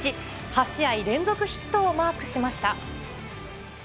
８試合連続ヒットをマークしました。